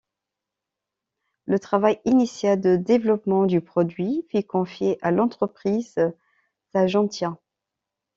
Le travail initial de développement du produit fut confié à l'entreprise Sagentia.